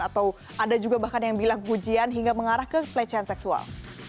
atau ada juga bahkan yang bilang pujian hingga mengarah ke pelecehan seksual